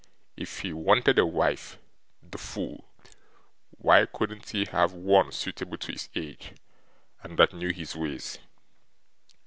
If he wanted a wife, the fool, why couldn't he have one suitable to his age, and that knew his ways?